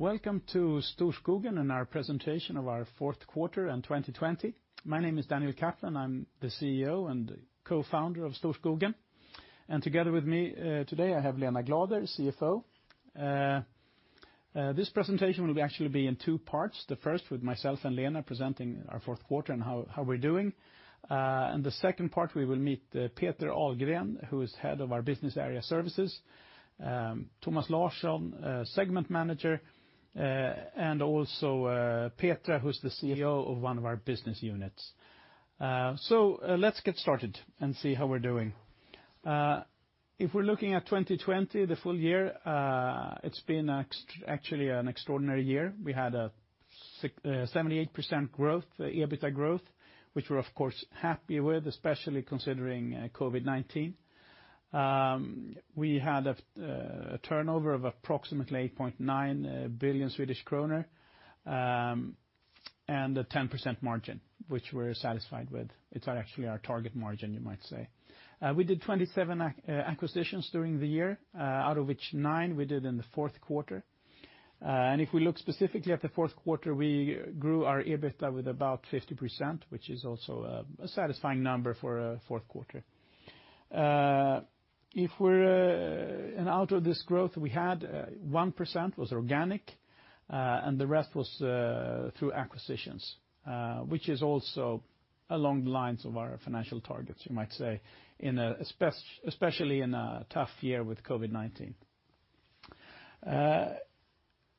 Welcome to Storskogen and our presentation of our fourth quarter and 2020. My name is Daniel Kaplan. I'm the CEO and co-founder of Storskogen. Together with me today I have Lena Glader, CFO. This presentation will actually be in two parts. The first with myself and Lena presenting our fourth quarter and how we're doing. The second part, we will meet Peter Ahlgren, who is head of our Business Area Services, Thomas Larsson, Segment Manager, and also Peter Engström, who's the CEO of one of our business units. Let's get started and see how we're doing. If we're looking at 2020, the full year, it's been actually an extraordinary year. We had a 78% growth, EBITDA growth, which we're of course happy with, especially considering COVID-19. We had a turnover of approximately 8.9 billion Swedish kronor and a 10% margin, which we're satisfied with. It's actually our target margin. You might say we did 27 acquisitions during the year, out of which nine we did in the fourth quarter, and if we look specifically at the fourth quarter, we grew our EBITDA with about 50%, which is also a satisfying number for a fourth quarter, and out of this growth we had 1% was organic and the rest was through acquisitions, which is also along the lines of our financial targets, you might say, especially in a tough year with COVID-19.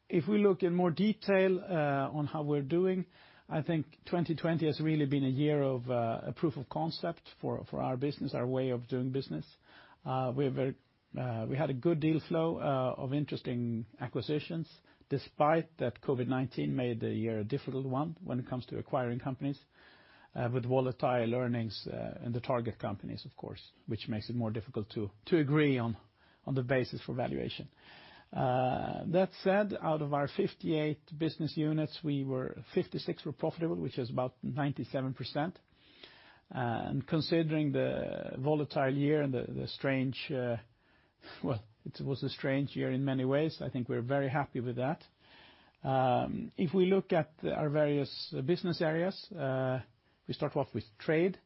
If we look in more detail on how we're doing, I think 2020 has really been a year of proof of concept for our business, our way of doing business. We had a good deal flow of interesting acquisitions. Despite that, COVID-19 made the year a difficult one when it comes to acquiring companies with volatile earnings in the target companies, of course, which makes it more difficult to agree on the basis for valuation. That said, out of our 58 business units, 56 were profitable, which is about 97%, and considering the volatile year and the strange. Well, it was a strange year in many ways. I think we're very happy with that. If we look at our various business areas, we start off with trade.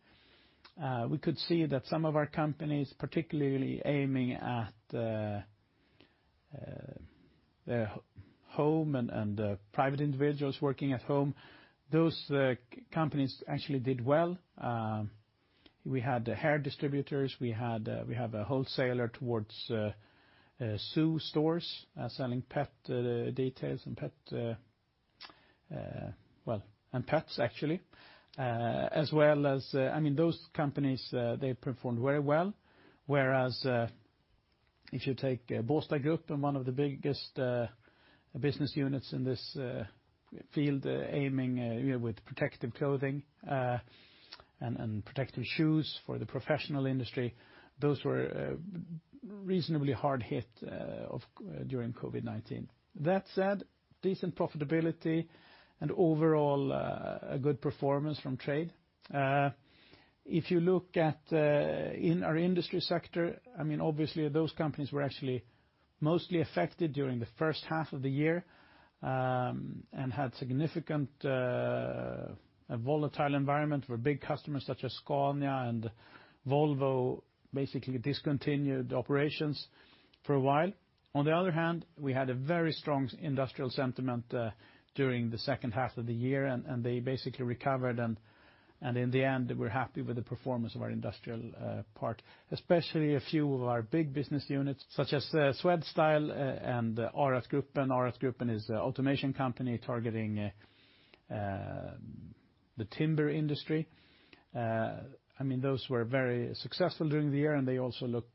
We could see that some of our companies, particularly aiming at their home and private individuals working at home, depending on those companies, actually did well. We had hair distributors. We have a wholesaler towards zoo stores selling pet details and pet. Well, and pets actually as well as. I mean, those companies, they performed very well. Whereas if you take Båstadgruppen and one of the biggest business units in this field, aiming with protective clothing and protective shoes for the professional industry. Those were reasonably hard hit during COVID-19. That said, decent profitability and overall a good performance from trade. If you look at our industry sector, I mean, obviously those companies were actually mostly affected during the first half of the year and had significantly volatile environment for big customers such as Scania and Volvo. Basically discontinued operations for a while. On the other hand, we had a very strong industrial segment during the second half of the year and they basically recovered, and in the end we're happy with the performance of our industrial part, especially a few of our big business units such as Swedstyle and RS Gruppen. RS Gruppen is an automation company targeting the timber industry. I mean, those were very successful during the year and they also look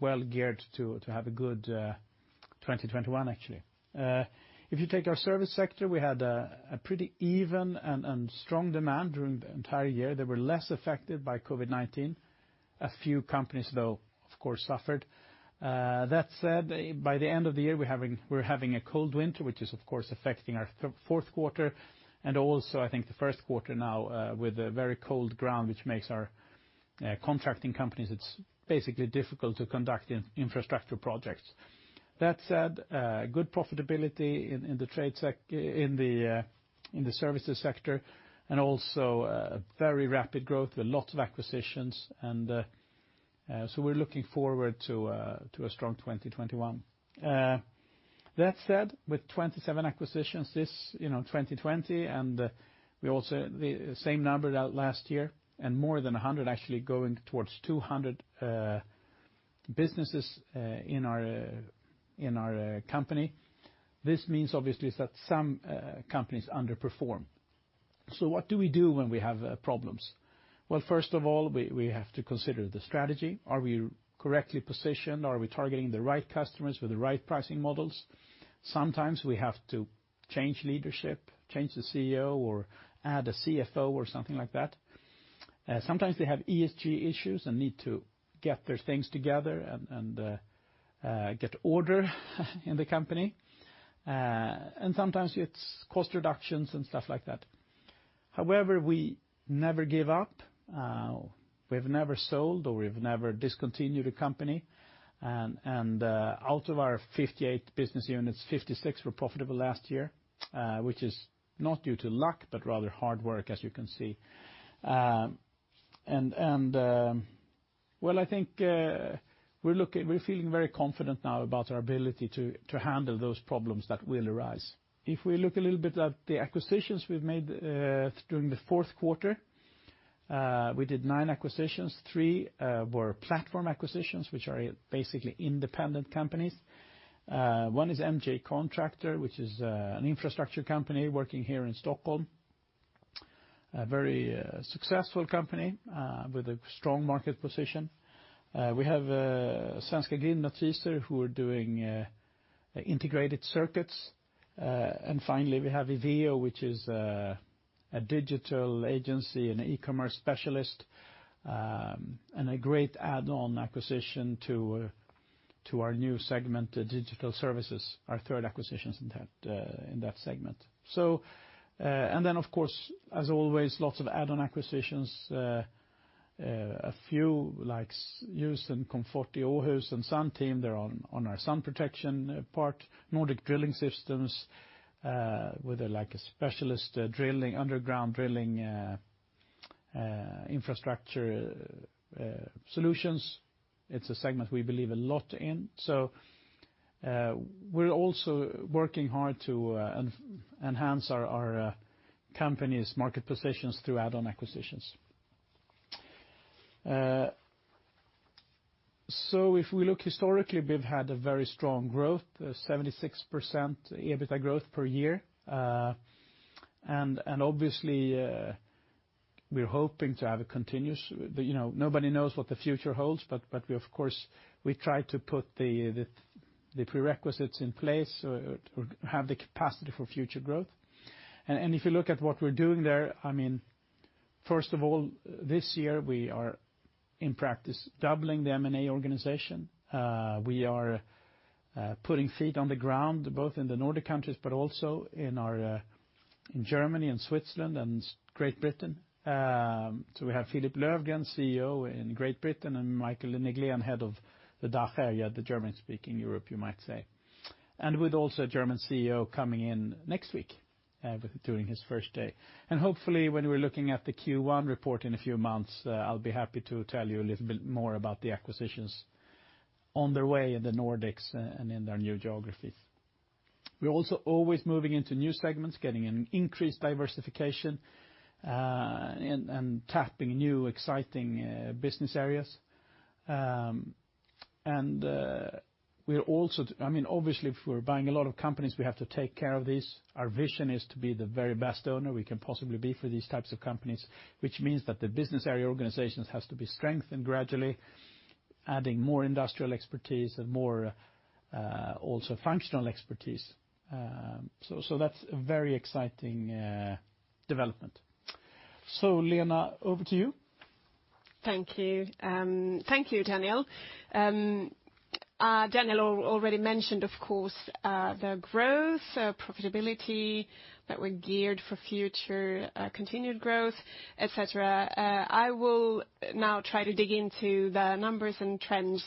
well geared to have a good 2021. Actually, if you take our service sector, we had a pretty even and strong demand during the entire year. They were less affected by COVID-19. A few companies though, of course suffered. That said, by the end of the year we're having a cold winter, which is of course affecting our fourth quarter and also I think the first quarter now with a very cold ground which makes our contracting companies. It's basically difficult to conduct infrastructure projects. That said, good profitability in the trade in the services sector and also very rapid growth with lots of acquisitions, and so we're looking forward to a strong 2021. That said, with 27 acquisitions this 2020 and we also the same number last year and more than 100 actually going towards 200 businesses in our company. This means obviously that some companies underperform. So what do we do when we have problems? Well, first of all, we have to consider the strategy. Are we correctly positioned? Are we targeting the right customers with the right pricing models? Sometimes we have to change leadership, change the CEO or add a CFO or something like that. Sometimes they have ESG issues and need to get their things together and get order in the company, and sometimes it's cost reductions and stuff like that. However, we never give up. We've never sold or we've never discontinued a company. Out of our 58 business units, 56 were profitable last year, which is not due to luck, but rather hard work, as you can see. I think we're looking. We're feeling very confident now about our ability to handle those problems that will arise. If we look a little bit at the acquisitions we've made. During the fourth quarter, we did nine acquisitions. Three were platform acquisitions, which are basically independent companies. One is MJ Contractor, which is an infrastructure company working here in Stockholm, a very successful company with a strong market position. We have Svenska Tungdyk who are doing integrated circuits and finally we have Evedo which is a digital agency and e-commerce specialist and a great add-on acquisition to our new segment digital services, our third acquisition is in that segment. So and then of course as always, lots of add-on acquisitions. A few like Ljus & Komfort, Åhus Persienn and Sunteam. They're on our sun protection part, Nordic Drilling System with like a specialist drilling underground drilling infrastructure solutions. It's a segment we believe a lot in. So we're also working hard to enhance our company's market positions through add-on acquisitions. So if we look historically we've had a very strong growth, 76% EBITDA growth per year and obviously we're hoping to have a continuous, you know, nobody knows what the future holds but we of course try to put the prerequisites in place or have the capacity for future growth. And if you look at what we're doing there, I mean first of all this year we are in practice doubling the M&A organization. We are putting feet on the ground both in the Nordic countries, but also in Germany and Switzerland and Great Britain, so we have Philip Löfgren, CEO in Great Britain and Mikael Neglén, head of the DACH area, the German-speaking Europe you might say, and with also German CEO coming in next week during his first day, and hopefully when we're looking at the Q1 report in a few months, I'll be happy to tell you a little bit more about the acquisitions on their way in the Nordics and in their new geographies. We're also always moving into new segments, getting an increased diversification and tapping new, exciting business areas, and we're also, I mean obviously if we're buying a lot of companies, we have to take care of this. Our vision is to be the very best owner we can possibly be for these types of companies, which means that the business area organizations has to be strengthened gradually adding more industrial expertise and more also functional expertise. So that's a very exciting development. So Lena, over to you. Thank you. Thank you, Daniel. Daniel already mentioned, of course, the growth, profitability that we're geared for, future continued growth, etc. I will now try to dig into the numbers and trends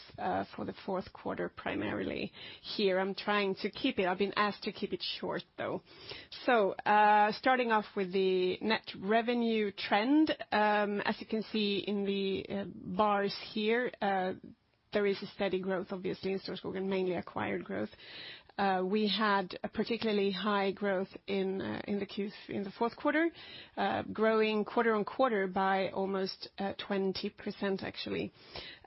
for the fourth quarter primarily here. I'm trying to keep it. I've been asked to keep it short though. So starting off with the net revenue trend, as you can see in the bars here, there is a steady growth, obviously in Storskogen and mainly acquired growth, we had a particularly high growth in the fourth quarter, growing quarter on quarter by almost 20% actually.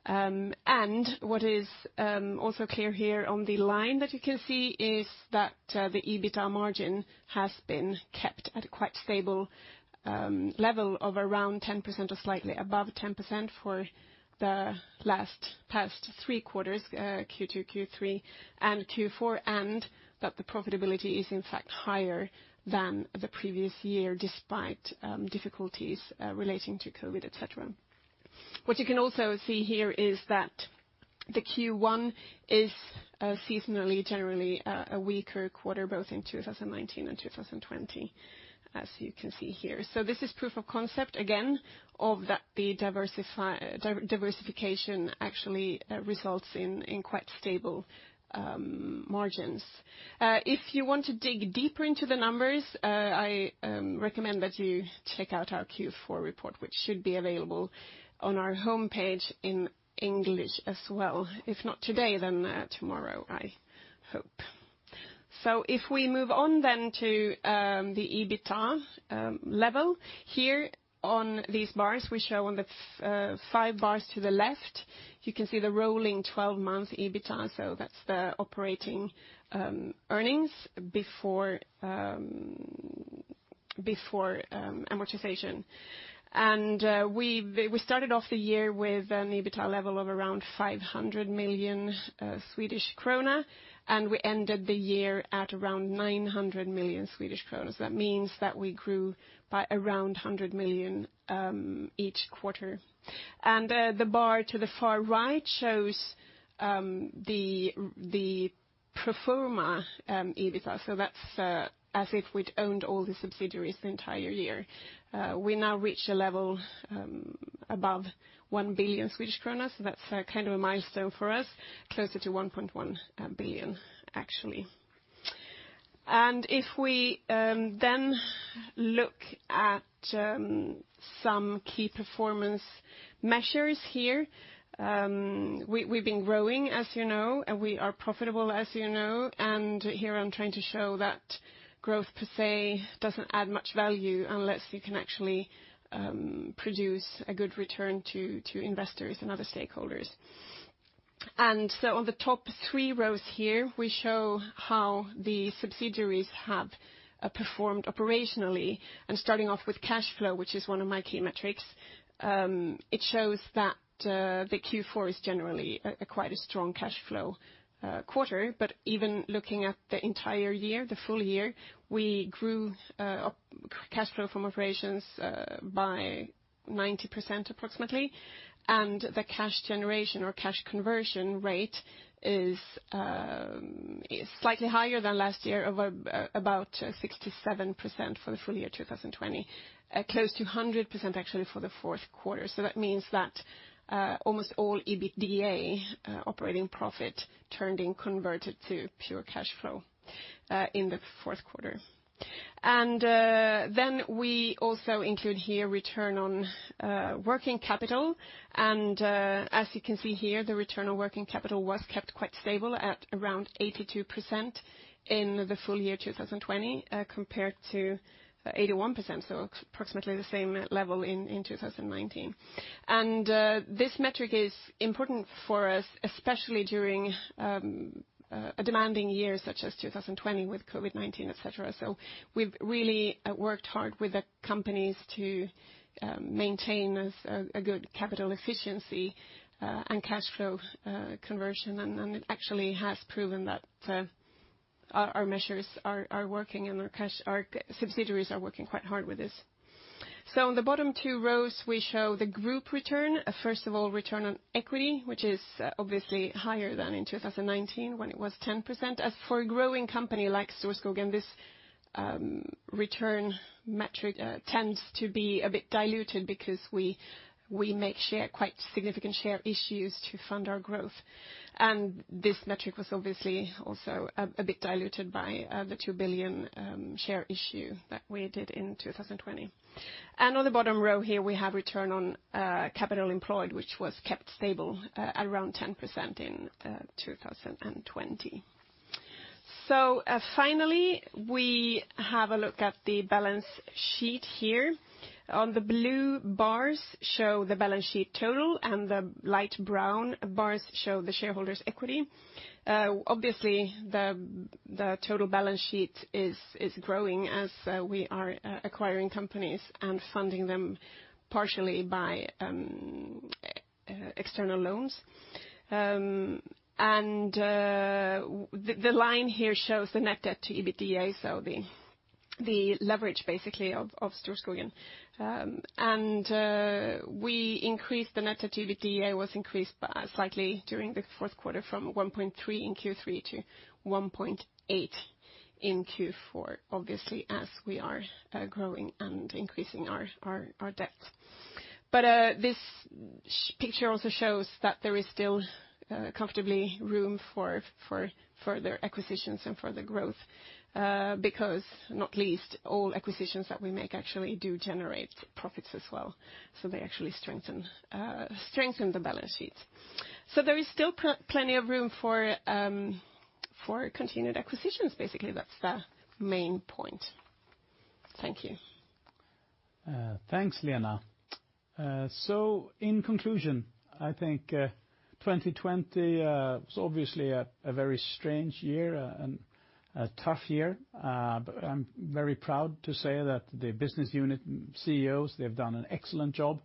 And what is also clear here on the line that you can see is that the EBITDA margin has been kept at a quite stable level of around 10% or slightly above 10% for the past three quarters, Q2, Q3 and Q4. And that the profitability is in fact higher than the previous year despite difficulties relating to Covid etc. What you can also see here is that the Q1 is seasonally generally a weaker quarter both in 2019 and 2020, as you can see here. This is proof of concept again of that the diversification actually results in quite stable margins. If you want to dig deeper into the numbers, I recommend that you check out our Q4 report which should be available on our homepage in English as well. If not today, then tomorrow. I hope so. If we move on then to the EBITDA level, here on these bars we show on the five bars to the left you can see the rolling 12 month EBITDA. So that's the operating earnings before, before amortization. We started off the year with an EBITDA level of around 500 million Swedish krona. We ended the year at around 900 million Swedish krona. That means that we grew by around 100 million each quarter. The bar to the far right shows the pro forma EBITDA. That's as if we'd owned all the subsidiaries the entire year. We now reach a level above 1 billion Swedish kronor. That's kind of a milestone for us, closer to 1.1 billion actually. If we then look at some key performance measures here, we've been growing, as you know, and we are profitable, as you know. Here I'm trying to show that growth per se doesn't add much value unless you can actually produce a good return to investors and other stakeholders. On the top three rows here, we show how the subsidiaries have performed operationally. Starting off with cash flow, which is one of my key metrics, it shows that the Q4 is generally quite a strong cash flow quarter. Even looking at the entire year, the full year, we grew cash flow from operations by 90% approximately. The cash generation or cash conversion rate is slightly higher than last year of about 67% for the full year 2020, close to 100% actually for the fourth quarter. That means that almost all EBITDA operating profit turned in converted to pure cash flow in the fourth quarter. We also include here return on working capital. As you can see here, the return on working capital was kept quite stable at around 82% in the full year 2020, compared to 81%. Approximately the same level in 2019. This metric is important for us, especially during a demanding year such as 2020 with COVID-19, et cetera. We've really worked hard with the companies to maintain a good capital efficiency and cash flow conversion. It actually has proven that our measures are working and our subsidiaries are working quite hard with this. On the bottom two rows we show the group return, first of all, return on equity, which is obviously higher than in 2019 when it was 10%. For a growing company like Storskogen, this return metric tends to be a bit diluted because we make quite significant share issues to fund our growth. This metric was obviously also a bit diluted by the 2 billion share issue that we did in 2020. On the bottom row here we have Return on capital employed, which was kept stable around 10% in 2020. Finally, we have a look at the balance sheet here. The blue bars show the balance sheet total and the light brown bars show the shareholders' equity. Obviously the total balance sheet is growing as we are acquiring companies and funding them partially by external loans. The line here shows the net debt to EBITDA. The leverage basically of Storskogen. We increased the net debt; it was increased slightly during the fourth quarter from 1.3 in Q3-1.8 in Q4, obviously as we are growing and increasing our debt. This picture also shows that there is still comfortable room for further acquisitions and further growth, because not least, all acquisitions that we make actually do generate profits as well. So they actually strengthen the balance sheet. So there is still plenty of room for continued acquisitions. Basically, that's the main point. Thank you. Thanks, Lena. So, in conclusion, I think 2020 was obviously a very strange year and a tough year. But I'm very proud to say that the business unit CEOs, they've done an excellent job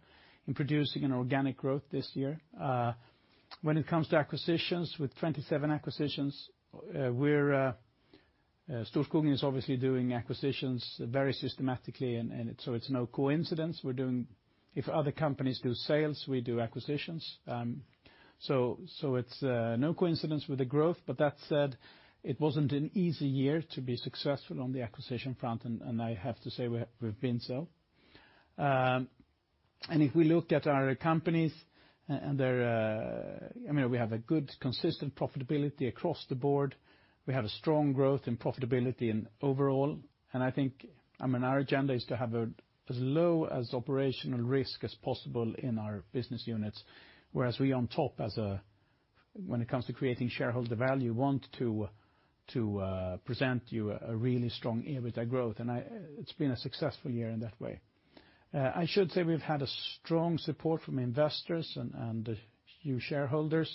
in producing an organic growth this year when it comes to acquisitions. With 27 acquisitions, we're Storskogen is obviously doing acquisitions very systematically. And so it's no coincidence we're doing if other companies do sales, we do acquisitions. So it's no coincidence with the growth. But that said, it wasn't an easy year to be successful on the acquisition front. And I have to say we've been so and if we look at our companies and their, I mean we have a good consistent profitability across the board. We have a strong growth in profitability and overall, and I think, I mean, our agenda is to have as low as operational risk as possible in our business units. Whereas we on top as a, when it comes to creating shareholder value, want to present you a really strong EBITDA growth. And it's been a successful year in that way, I should say. We've had a strong support from investors and shareholders.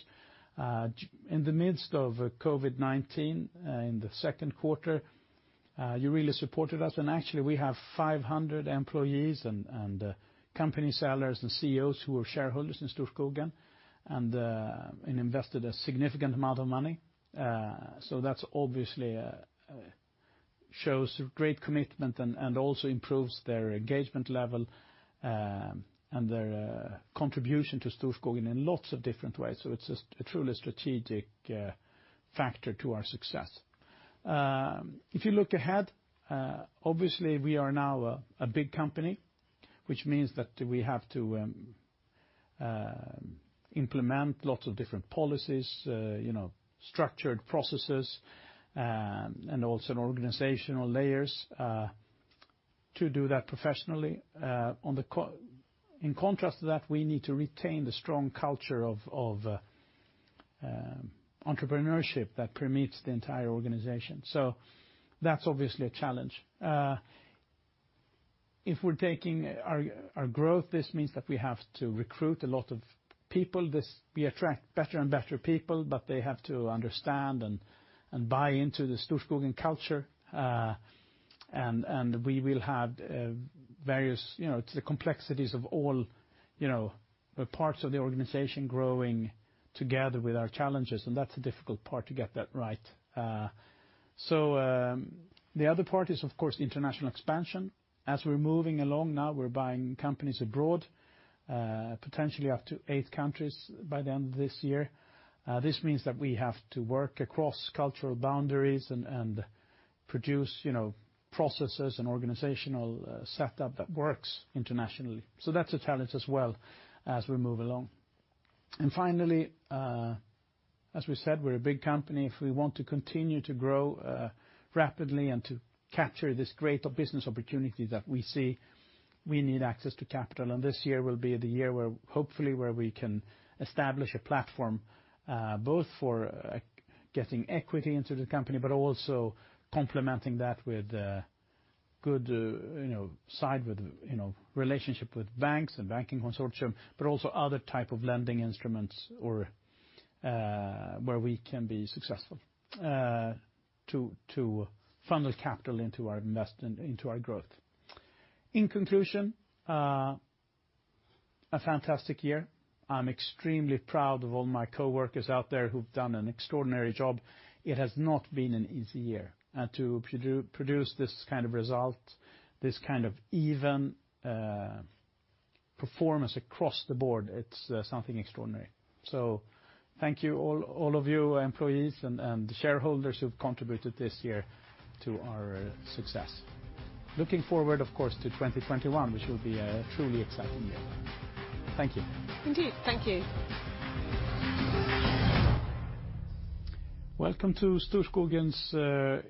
In the midst of COVID-19 in the second quarter, you really supported us. And actually, we have 500 employees and company sellers and CEOs who are shareholders in Storskogen and invested a significant amount of money. So that's obviously shows great commitment and also improves their engagement level and their contribution to Storskogen in lots of different ways. So it's a truly strategic factor to our success. If you look ahead, obviously we are now a big company, which means that we have to implement lots of different policies, you know, structured processes and also organizational layers to do that professionally. In contrast to that, we need to retain the strong culture of entrepreneurship that permeates the entire organization. That's obviously a challenge if we're taking our growth. This means that we have to recruit a lot of people. We attract better and better people, but they have to understand and buy into the Storskogen culture and we will have various, you know, the complexities of all, you know, parts of the organization growing together with our challenges. And that's a difficult part to get that right, so the other part is of course international expansion. As we're moving along now we're buying companies abroad, potentially up to eight countries by the end of this year. This means that we have to work across cultural boundaries and produce processes and organizational setup that works internationally. So that's a challenge as well as we move along. And finally, as we said, we're a big company. If we want to continue to grow rapidly and to capture this great business opportunity that we see, we need access to capital. And this year will be the year where hopefully we can establish a platform both for getting equity into the company but also complementing that with good, you know, side with, you know, relationship with banks and banking consortium, but also other type of lending instruments or where we can be successful to funnel capital into our investment, into our growth. In conclusion, a fantastic year. I'm extremely proud of all my coworkers out there who've done an extraordinary job. It has not been an easy year and to produce this kind of result, this kind of even performance across the board, it's something extraordinary. So thank you all of you employees and shareholders who've contributed this year to our success. Looking forward, of course, to 2021, which will be a truly exciting year. Thank you indeed. Thank you. Welcome to Storskogen's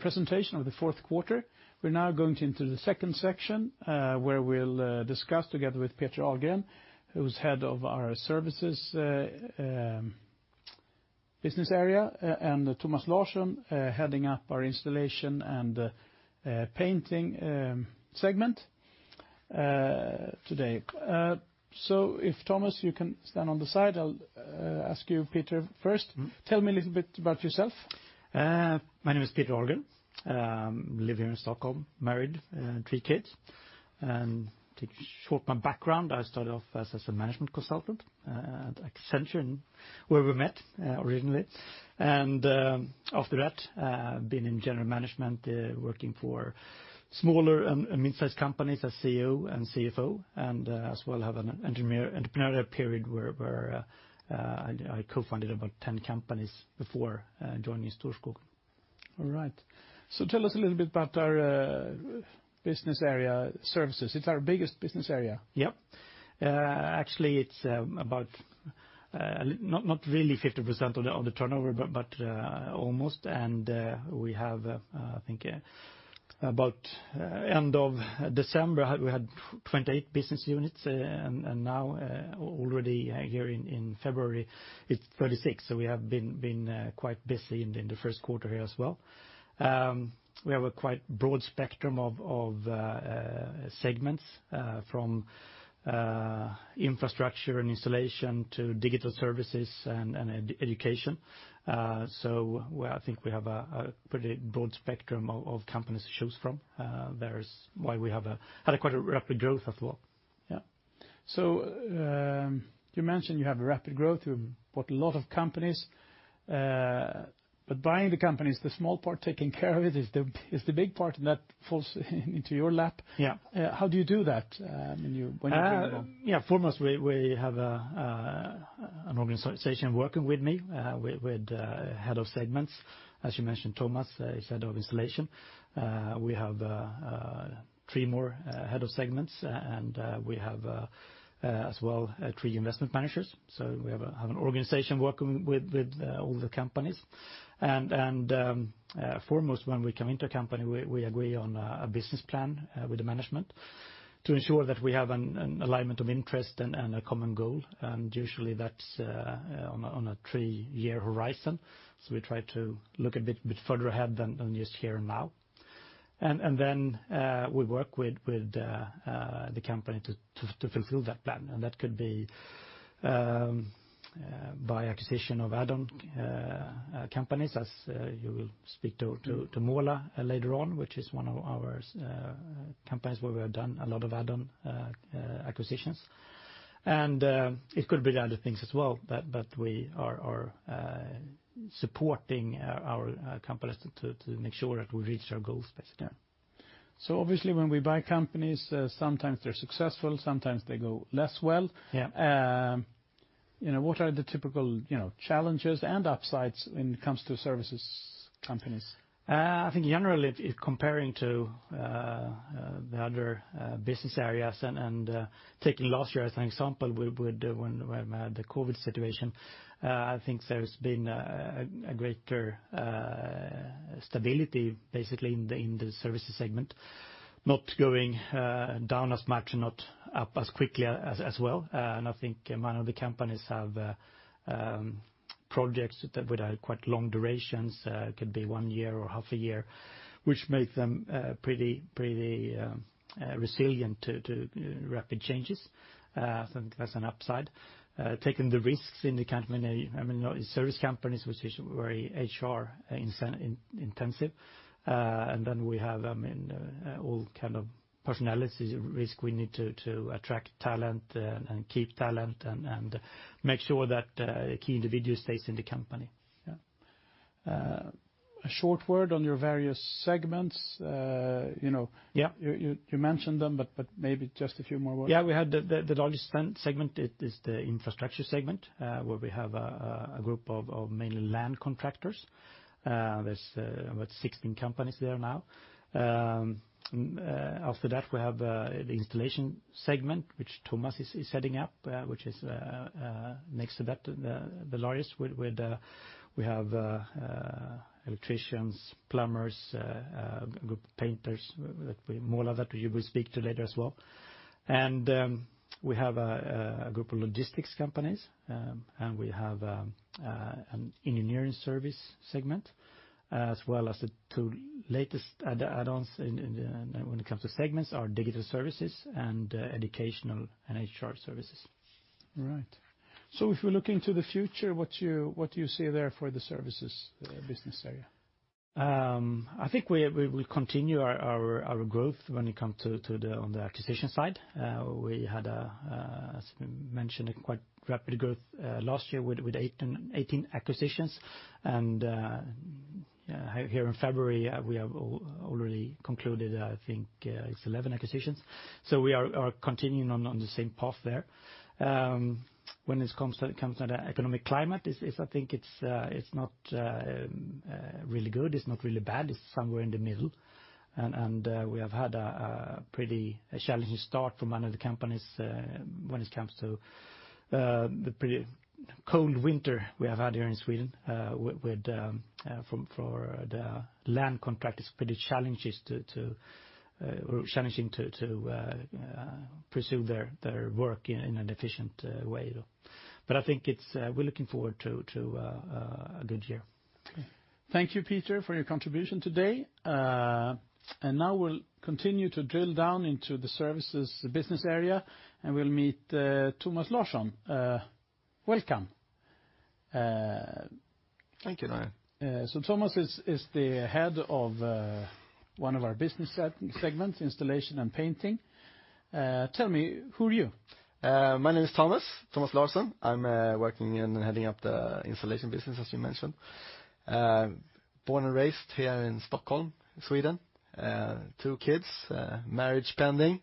presentation of the fourth quarter. We're now going into the second section where we'll discuss together with Peter Ahlgren, who's head of our services business area and Thomas Larsson, heading up our installation and painting segment today. So if Thomas, you can stand on the side. I'll ask you, Peter, first tell me a little bit about yourself. My name is Peter Ahlgren. I live here in Stockholm, married, three kids, and shortly my background. I started off as a management consultant at Accenture where we met originally. And after that I've been in general management working for smaller and mid-sized companies as CEO and CFO and as well have an entrepreneurial period where I co-founded about 10 companies before joining Storskogen. All right, so tell us a little bit about our business area. Services. It's our biggest business area actually. It's about, not really 50% of the turnover, but almost. And we have, I think about end of December we had 28 business units and now already here in February, it's 36. So we have been quite busy in the first quarter here as well. We have a quite broad spectrum of segments from infrastructure and installation to digital services and education. So I think we have a pretty broad spectrum of companies to choose from. That's why we have had a quite. A rapid growth as well. Yeah, so you mentioned you have a rapid growth. You bought a lot of companies, but buying the companies, the small part, taking care of it is the big part that falls into your lap. Yeah. How do you do that? Yeah, foremost we have an organization working with me with head of segments, as you mentioned, Thomas, head of installation. We have three more head of segments and we have as well three investment managers. So we have an organization working with all the companies and foremost when we come into a company, we agree on a business plan with the management to ensure that we have an alignment of interest and a common goal. And usually that's on a three year horizon. So we try to look a bit further ahead than just here and now and then we work with the company to fulfill that plan and that could. Be. By acquisition of add-on companies. As you will speak to Måla later on, which is one of our companies where we have done a lot of add-on acquisitions, and it could be other things as well, but we are supporting our companies to make sure that we reach our goals, basically. Obviously when we buy companies, sometimes they're successful, sometimes they go less. What are the typical challenges and upsides when it comes to services companies? I think generally comparing to the other business areas and taking last year as an example, when the COVID situation, I think there's been a greater stability basically in the services segment. Not going down as much and not up as quickly as well. And I think many of the companies have projects with a quite long durations, could be one year or half a year, which makes them pretty resilient to rapid changes. I think that's an upside. Taking the risks in contractor service companies, which is very HR intensive. And then we have all kind of personnel risk. We need to attract talent and keep talent and make sure that key individual stays in the company. A short word on your various segments. You know. Yeah, you mentioned them, but maybe just a few more. Yeah, we have the largest segment. It is the infrastructure segment where we have a group of mainly land contractors. There's about 16 companies there now. After that, we have the installation segment which Thomas is setting up, which is next to that the largest. We have electricians, plumbers, group of painters. More of that you will speak to later as well. And we have a group of logistics companies and we have an engineering service segment as well as the two latest add-ons when it comes to segments are digital services and educational and HR services. Right. So if we look into the future, what do you see there for the services business area? I think we will continue our growth when it comes to the acquisition side. We had as mentioned quite rapid growth last year with 18 acquisitions, and here in February we have already concluded, I think it's 11 acquisitions, so we are continuing on the same path there. When it comes to the economic climate, I think it's not really good, it's not really bad. It's somewhere in the middle, and we have had a pretty challenging start for one of the companies when it comes to the pretty cold winter we have had here in Sweden for the land contract. It's pretty challenging to pursue their work in an efficient way, but I think we're looking forward to a good year. Thank you, Peter, for your contribution today and now we'll continue to drill down into the services business area and we'll meet Thomas Larsson. Welcome. Thank you, Naya. So Thomas is the head of one of our business segments, installation and painting. Tell me, who are you. My name is Thomas, Thomas Larsson. I'm working and heading up the installation business as you mentioned. Born and raised here in Stockholm, Sweden, two kids, marriage pending.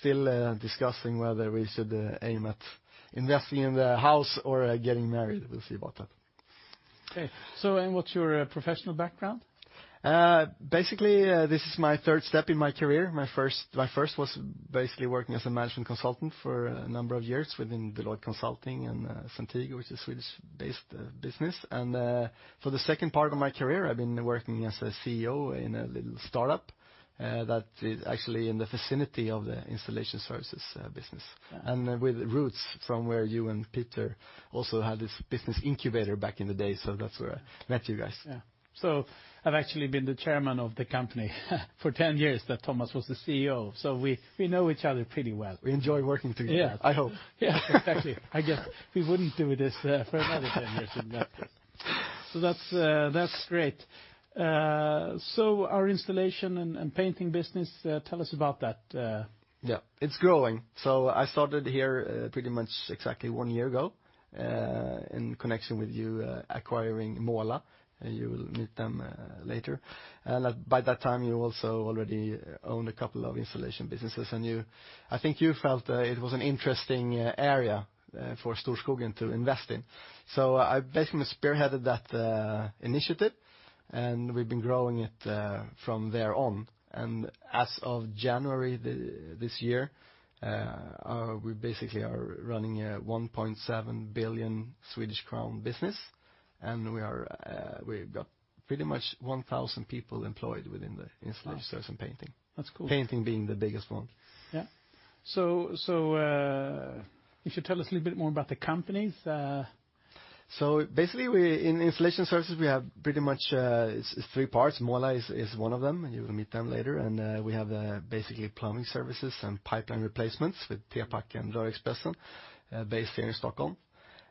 Still discussing whether we should aim at investing in the house or getting married. We'll see about that. Okay, so. What's your professional background? Basically this is my third step in my career. My first was basically working as a management consultant for a number of years within Deloitte Consulting and Centigo, which is Swedish-based business, and for the second part of my career I've been working as a CEO in a little startup that is actually in the vicinity of the installation services business and with roots from where you and Peter also had this business incubator back in the day, so that's where I met you guys. So I've actually been the chairman of the company for 10 years that Thomas was the CEO. So we know each other pretty well. We enjoy working together, I hope. Yes, exactly. I guess we wouldn't do this for another 10 years. So that's great. So our installation and painting business, tell us about that. Yeah, it's growing. I started here pretty much exactly one year ago in connection with you acquiring Måla. You will meet them later. By that time you also already owned a couple of installation businesses and you, I think you felt it was an interesting area for Storskogen to invest in. I basically spearheaded that initiative and we've been growing it from there on. As of January this year we basically are running a 1.7 billion Swedish crown business and we've got pretty much 1,000 people employed within the installation painting. That's cool. Painting being the biggest one. Yeah. So if you tell us a little bit more about the companies? So basically in installation services we have pretty much three parts. Måla is one of them. You will meet them later. And we have basically plumbing services and pipeline replacements with Tepac and Rör-Expressen based here in Stockholm.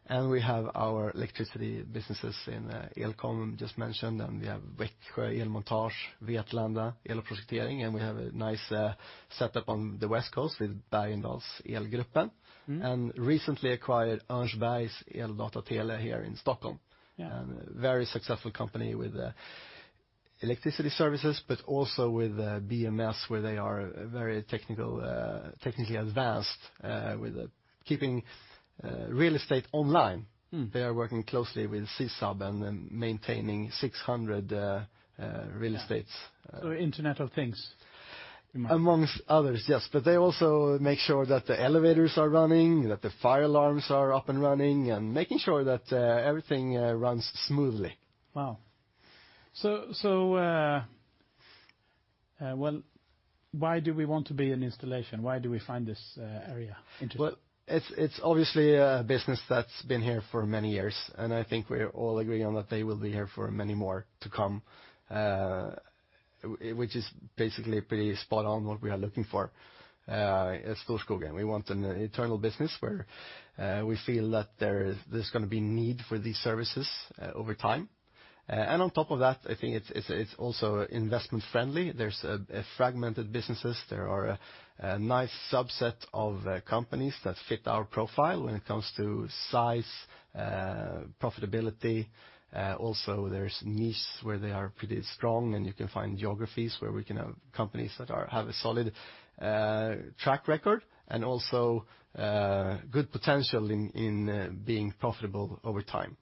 And we have our electricity businesses in Elkompaniet just mentioned. And we have Växjö Elmontage and we have a nice setup on the west coast with Berndals and recently acquired El & Data here in Stockholm. Very successful company with electricity services, but also with BMS where they are very technical, technically advanced with keeping real estate online. They are working closely with CSAB and maintaining 600 real estate Internet of Things among others. Yes. But they also make sure that the elevators are running, that the fire alarms are up and running and making sure that everything runs smoothly. Wow. So well why do we want to be an installation? Why do we find this area interesting? It's obviously a business that's been here for many years and I think we all agree on that. They will be here for many more. To come. Which is basically pretty spot on what we are looking for as a full-scale game. We want an industrial business where we feel that there's going to be need for these services over time. And on top of that, I think it's also investment friendly. There's fragmented businesses. There are a nice subset of companies that fit our profile when it comes to size, profitability. Also there's niches where they are pretty strong and you can find geographies where we can have companies that have a solid track record and also good potential in being profitable over time.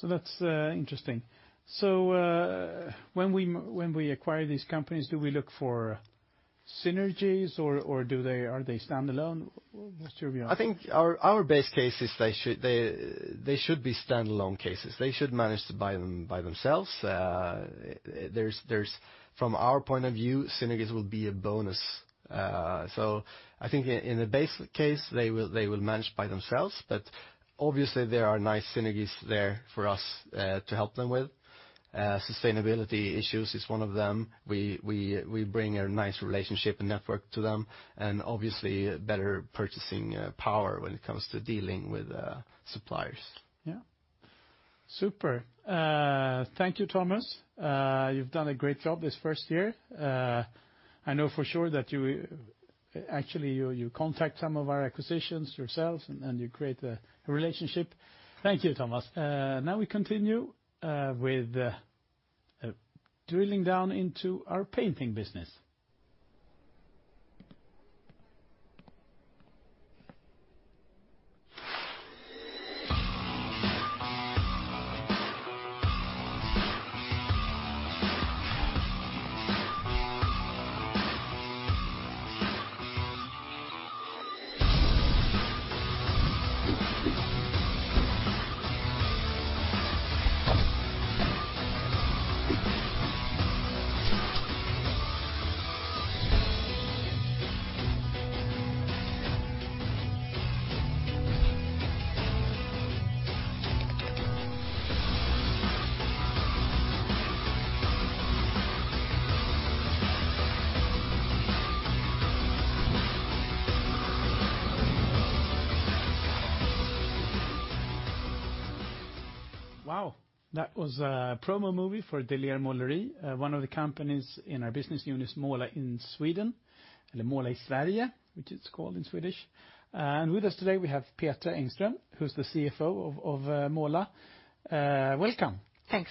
So that's interesting. So when we acquire these companies, do we look for synergies or do they? Are they standalone? What's your view? I think our base case is they should be standalone cases. They should manage to buy them by themselves. From our point of view, synergies will be a bonus. So I think in the basic case they will manage by themselves, but obviously there are nice synergies there for us to help them with. Sustainability issues is one of them. We bring a nice relationship and network to them and obviously better purchasing power when it comes to dealing with suppliers. Yeah, super. Thank you, Thomas. You've done a great job this first year. I know for sure that you actually contact some of our acquisitions yourselves and you create a relationship. Thank you, Thomas. Now we continue with drilling down into our painting business. Wow. That was a promo movie for Dillqvists Måleri, one of the companies in our business units, Måla i Sverige, which it's called in Swedish, and with us today we have Peter Engström, who's the CFO of Måla. Welcome. Thanks.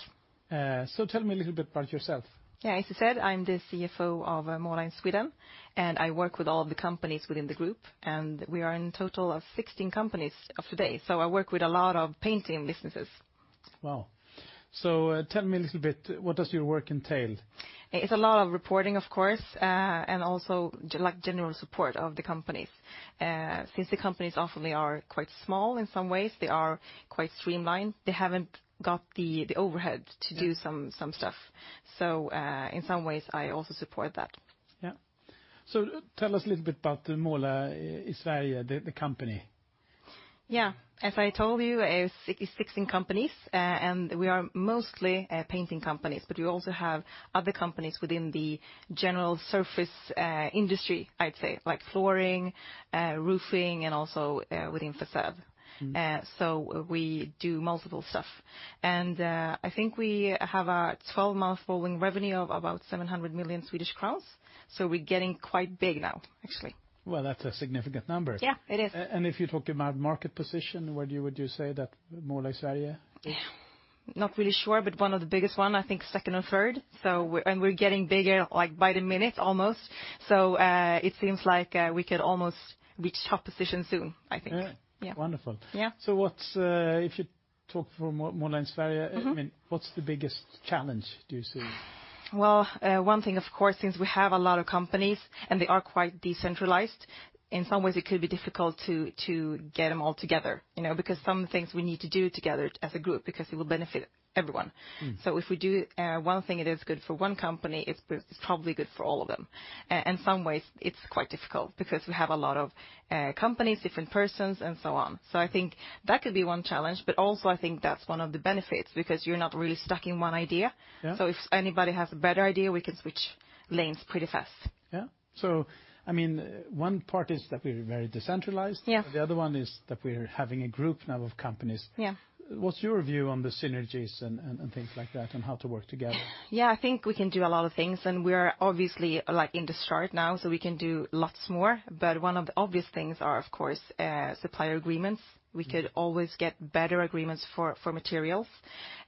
So tell me a little bit about yourself? Yeah, as I said, I'm the CFO of Måla i Sverige and I work with all of the companies within the group and we are in total of 16 companies of today. So I work with a lot of painting businesses. Wow. So tell me a little bit, what does your work entail? It's a lot of reporting, of course, and also general support of the companies. Since the companies often are quite small, in some ways they are quite streamlined. They haven't got the overhead to do some stuff. So in some ways I also support that. Yes, so tell us a little bit about Måla, the company. Yeah. As I told you, 16 companies, and we are mostly painting companies, but you also have other companies within the general surface industry, I'd say, like flooring, roofing, and also within facade. So we do multiple stuff, and I think we have a 12-month rolling revenue of about 700 million Swedish crowns. We're getting quite big now actually. Well, that's a significant number. Yeah, it is. If you talk about market position, where would you say that more or less area? Not really sure, but one of the biggest one I think second or third, so, and we're getting bigger like by the minutes almost, so it seems like we could almost reach top position soon, I think. Yeah, wonderful. Yeah. So, what's if you talk for more, Lena Glader? I mean, what's the biggest challenge, do you see? One thing of course, since we have a lot of companies and they are quite decentralized in some ways, it could be difficult to get them all together because some things we need to do together as a group because it will benefit everyone. So if we do one thing that is good for one company, it's probably good for all of them. In some ways it's quite difficult because we have a lot of companies, different persons and so on. So I think that could be one challenge. But also I think that's one of the benefits because you're not really stuck in one idea. So if anybody has a better idea we can switch lanes pretty fast. Yeah, so I mean one part is that we're very decentralized. The other one is that we are having a group now of companies. What's your view on the synergies and things like that and how to work together? Yeah, I think we can do a lot of things and we are obviously in the start now so we can do lots more. But one of the obvious things are of course supplier agreements. We could always get better agreements for materials.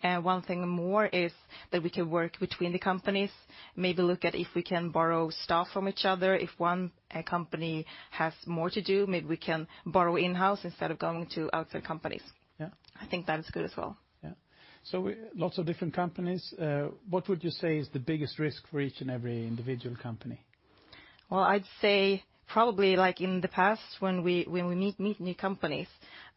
One thing more is that we can work between the companies maybe look at if we can borrow stuff from each other. If one company has more to do, maybe we can borrow in house instead of going to outside companies. I think that is good as well. So lots of different companies. What would you say is the biggest risk for each and every individual company? I'd say probably like in the past when we meet new companies,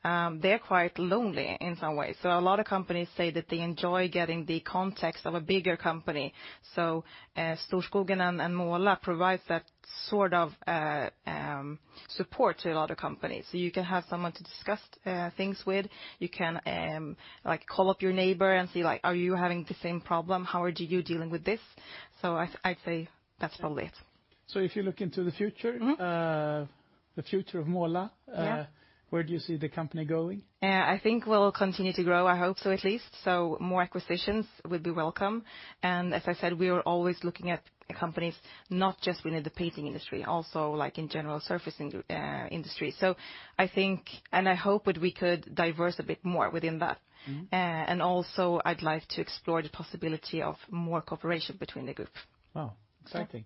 they're quite lonely in some ways. So a lot of companies say that they enjoy getting the context of a bigger company. So Storskogen and Måla provides that sort of support to a lot of companies. So you can have someone to discuss things with. You can call up your neighbor and see like, are you having the same problem? How are you dealing with this? So I'd say that's probably it. So if you look into the future, the future of Måla, where do you see the company going? I think we'll continue to grow. I hope so at least, so more acquisitions would be welcome and, as I said, we are always looking at companies not just within the painting industry, also like in general surfacing industry. So I think and I hope that we could diversify a bit more within that and also I'd like to explore the possibility of more cooperation between the group. Wow, exciting.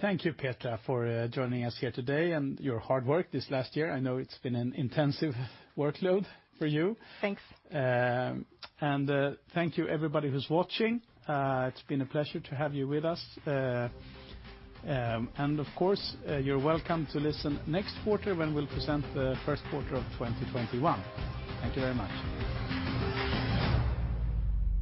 Thank you, Peter, for joining us here. Today and your hard work this last year. I know it's been an intensive workload for you. Thanks. Thank you everybody who's watching. It's been a pleasure to have you with us and of course you're welcome to listen next quarter when we'll present the first quarter of 2021. Thank you very much.